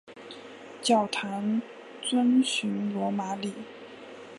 教堂遵循罗马礼。